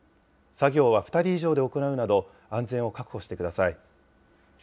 作業は２人以上で行うなど、安全を確保してください。